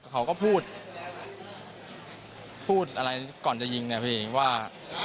เขาก็พูดพูดอะไรก่อนจะยิงเนี่ยพี่ว่า